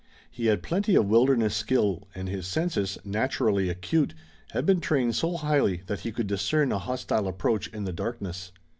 He had plenty of wilderness skill and his senses, naturally acute, had been trained so highly that he could discern a hostile approach in the darkness.